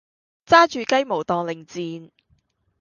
揸住雞毛當令箭